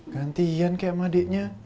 ganti ian kayak sama adiknya